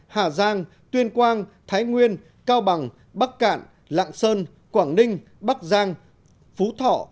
hà giang tuyên quang thái nguyên cao bằng bắc cạn lạng sơn quảng ninh bắc giang phú thọ